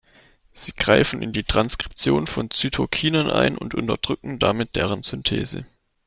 Sie greifen in die Transkription von Zytokinen ein und unterdrücken damit deren Synthese.